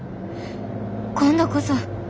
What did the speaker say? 今度こそ。